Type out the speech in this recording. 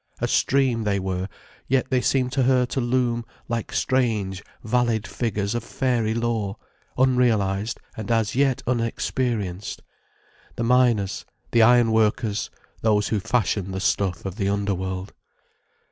A stream they were—yet they seemed to her to loom like strange, valid figures of fairy lore, unrealized and as yet unexperienced. The miners, the iron workers, those who fashion the stuff of the underworld.